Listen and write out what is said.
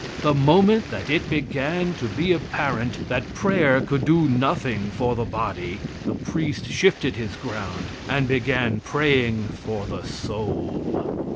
The moment that it began to be apparent that prayer could do nothing for the body, the priest shifted his ground and began praying for the soul.